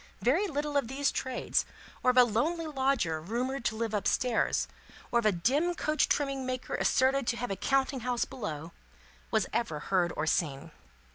Very little of these trades, or of a lonely lodger rumoured to live up stairs, or of a dim coach trimming maker asserted to have a counting house below, was ever heard or seen.